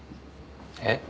えっ？